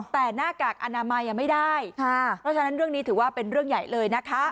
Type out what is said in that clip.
แต่หน้ากากอนามัยยังไม่ได้เพราะฉะนั้นเรื่องนี้ถือว่าเป็นเรื่องใหญ่เลยนะคะ